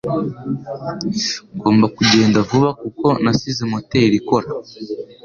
Ngomba kugenda vuba kuko nasize moteri ikora